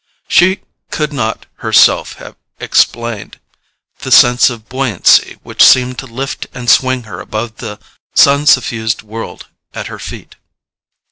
She could not herself have explained the sense of buoyancy which seemed to lift and swing her above the sun suffused world at her feet.